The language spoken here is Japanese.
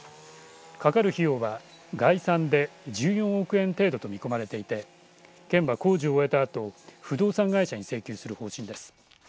かかる費用は概算で１４億円程度と見込まれていて県は工事を終えたあと不動産会社に請求する方針です。